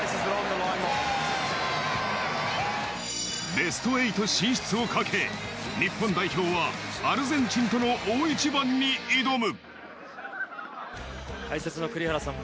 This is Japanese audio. ベスト８進出をかけ、日本代表はアルゼンチンとの大一番に挑む！